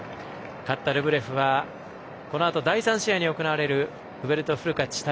勝ったルブレフはこのあと第３試合に行われるフベルト・フルカッチ対